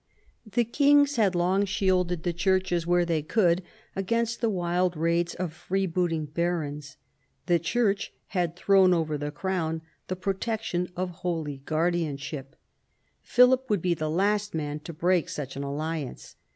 The kings had long shielded chap, v THE ADVANCE OF THE MONARCHY 113 the churches, where they could, against the wild raids of freebooting barons. The Church had thrown over the Crown the protection of holy guardianship. Philip would be the last man to break such an alliance.